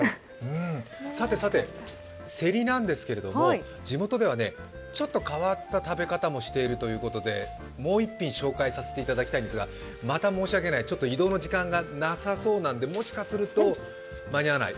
さてさてセリなんですけど地元ではちょっと変わった食べ方もしているということでもう一品紹介させていただきたいんですが、また申し訳ない、移動の時間がなさそうなので、もしかすると間に合わない。